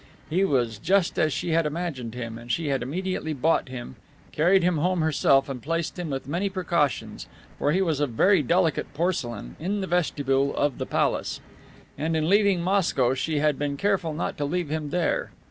He was just as she had imagined him, and she had immediately bought him, carried him home herself and placed him, with many precautions, for he was of very delicate porcelain, in the vestibule of the palace. And in leaving Moscow she had been careful not to leave him there.